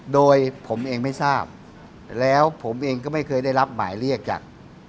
โดยผมเองไม่ทราบแล้วผมเองก็ไม่เคยได้รับหมายเรียกจาก